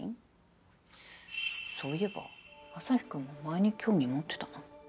そういえばアサヒくんも前に興味持ってたな。